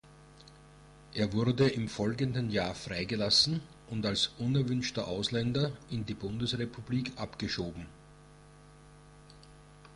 Er wurde im folgenden Jahr freigelassen und als „unerwünschter Ausländer“ in die Bundesrepublik abgeschoben.